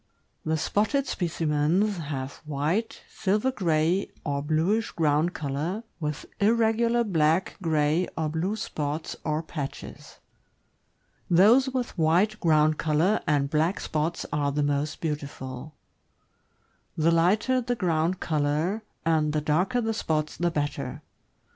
The spotted specimens have white, silver gray, or bluish THE GREAT DANE. 535 ground color, with irregular black, gray, or blue spots or patches. Those with white ground color and black spots are the most beautiful; the lighter the ground color and the darker the spots, the better.